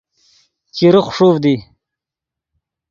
چیرے خݰوڤد ای